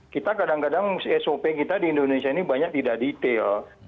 kita kadang kadang sop kita di indonesia ini banyak tidak detail